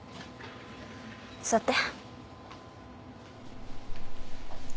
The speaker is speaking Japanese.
座って。